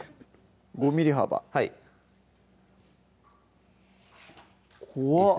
５ｍｍ幅はい怖っ